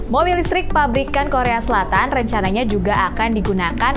mobil listrik pabrikan korea selatan rencananya juga akan digunakan